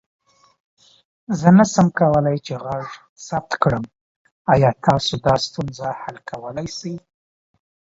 زه نسم کولى چې غږ ثبت کړم، آيا تاسو دا ستونزه حل کولى سې؟